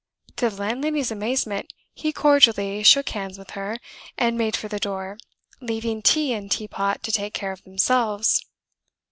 To the landlady's amazement, he cordially shook hands with her, and made for the door, leaving tea and tea pot to take care of themselves.